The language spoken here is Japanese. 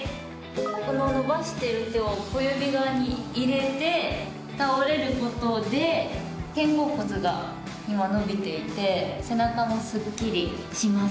この伸ばしてる手を小指側に入れて倒れることで肩甲骨が今伸びていて背中もすっきりします。